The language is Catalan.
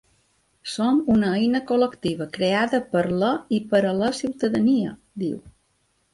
Som una eina col·lectiva creada per la i per a la ciutadania, diu.